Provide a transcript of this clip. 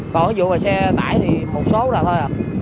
còn vụ xe tải thì một số là thôi